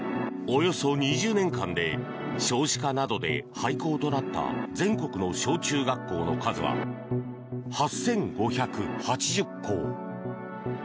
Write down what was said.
およそ２０年間で少子化などで廃校となった全国の小中学校の数は８５８０校。